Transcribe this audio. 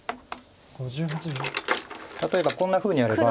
例えばこんなふうにやれば。